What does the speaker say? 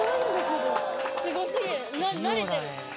すご過ぎる慣れてる。